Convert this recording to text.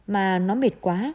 mà nó mệt quá